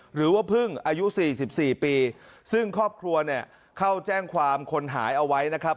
หรือว่าพึ่งอายุ๔๔ปีซึ่งครอบครัวเนี่ยเข้าแจ้งความคนหายเอาไว้นะครับ